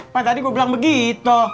pak tadi gue bilang begitu